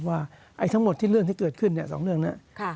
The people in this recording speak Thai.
ว่าทั้งหมดที่เรื่องที่เกิดขึ้น๒เรื่องนะ